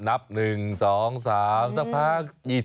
๑๒๓สักพัก๒๐